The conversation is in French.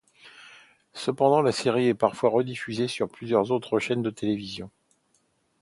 Cependant, la série est parfois rediffusée sur plusieurs autres chaînes de télévision.